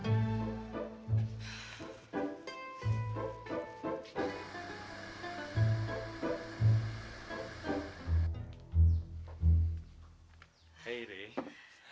sampai nanti ya